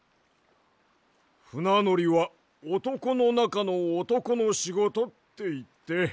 ふなのりはおとこのなかのおとこのしごとっていってわるかった。